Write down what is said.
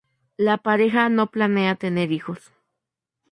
La pareja no planea tener hijos.